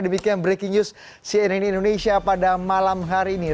demikian breaking news cnn indonesia pada malam hari ini